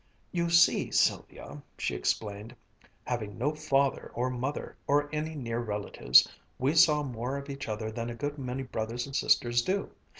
"You see, Sylvia," she explained, "having no father or mother or any near relatives, we saw more of each other than a good many brothers and sisters do.